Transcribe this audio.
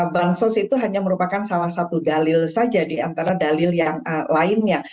bank sos itu hanya merupakan salah satu dalil saja di antara dalil yang lainnya